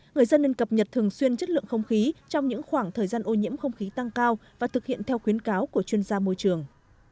người dân nên cập nhật thường xuyên chất lượng không khí trong những khoảng thời gian ô nhiễm không khí tăng cao và thực hiện theo khuyến cáo của chuyên gia môi trường